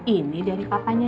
ini dari papanya